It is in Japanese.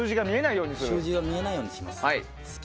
数字が見えないようにする。